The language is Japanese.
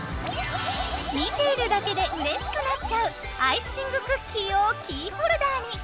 見ているだけでうれしくなっちゃうアイシングクッキーをキーホルダーに！